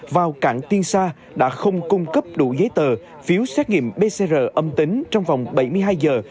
vào cảng tiên sa đã không cung cấp đủ giấy tờ phiếu xét nghiệm pcr âm tính trong vòng bảy mươi hai giờ